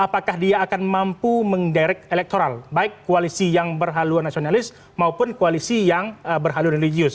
apakah dia akan mampu mendirect elektoral baik koalisi yang berhaluan nasionalis maupun koalisi yang berhaluan religius